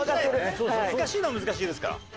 難しいのは難しいですから。